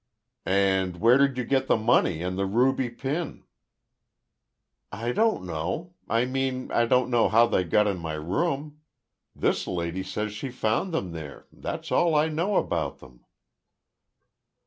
"And where did you get the money and the ruby pin?" "I don't know—I mean I don't know how they got in my room. This lady says she found them there—that's all I know about them."